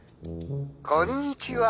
☎こんにちは。